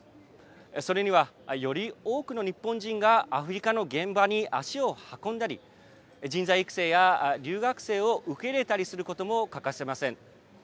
それには、より多くの日本人がアフリカの現場に足を運んだり、人材育成や、留学生を受け入れたりすることも欠かせません。